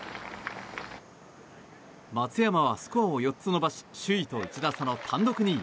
松山はスコアを４つ伸ばし首位と１打差の単独２位。